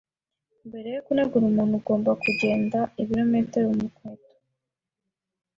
Mbere yo kunegura umuntu, ugomba kugenda ibirometero mukweto.